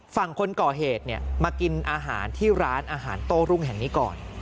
ฝั่งคนก่อเหตุมากินอาหารที่ร้านอาหารโต้รุ่งแห่งนี้ก่อน